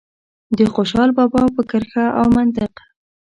د خوشال بابا په کرښه او منطق.